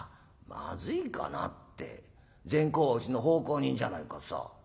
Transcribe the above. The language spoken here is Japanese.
「『まずいかな？』って善公はうちの奉公人じゃないかさ」。